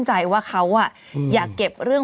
ขออีกทีอ่านอีกที